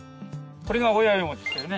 これが親イモですよね。